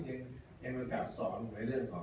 จำนายเป็นแล้วผมก็ยังไม่กลับสอน